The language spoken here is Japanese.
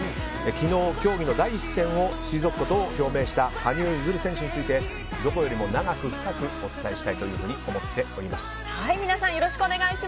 昨日、競技の第一線を退くことを表明した羽生結弦選手についてどこよりも長く深くお伝えしたいと思っております。